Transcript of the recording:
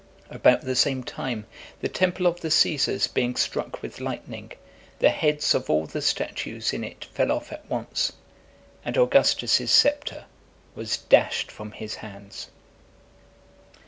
About the same time, the temple of the Caesars being struck with lightning, the heads of all the statues in it fell off at once; and Augustus's sceptre was dashed from his hands.